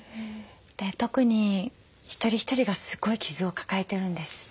特に一人一人がすごい傷を抱えてるんです。